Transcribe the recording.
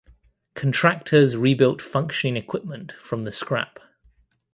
Contractors rebuilt functioning equipment from the scrap.